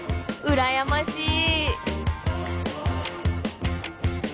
うらやましい！